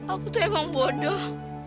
aku tuh emang bodoh